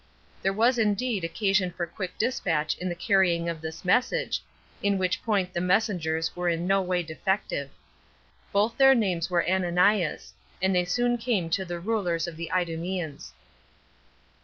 There was indeed occasion for quick despatch in the carrying of this message, in which point the messengers were no way defective. Both their names were Ananias; and they soon came to the rulers of the Idumeans.